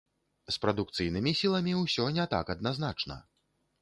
З прадукцыйнымі сіламі ўсё не так адназначна.